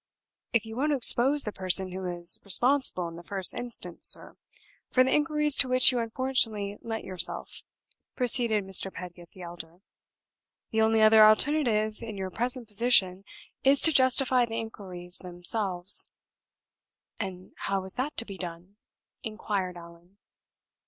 "If you won't expose the person who is responsible in the first instance, sir, for the inquiries to which you unfortunately lent yourself," proceeded Mr. Pedgift the elder, "the only other alternative, in your present position, is to justify the inquiries themselves." "And how is that to be done?" inquired Allan.